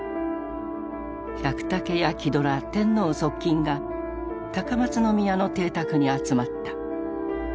百武や木戸ら天皇側近が高松宮の邸宅に集まった。